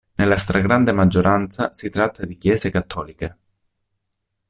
Nella stragrande maggioranza si tratta di chiese cattoliche.